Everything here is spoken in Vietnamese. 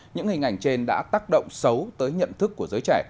những hình ảnh trên đã tác động xấu tới nhận thức của giới trẻ